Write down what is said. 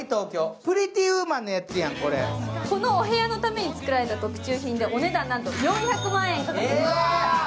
このお部屋のために作られたという中品でお値段なんと４００万円。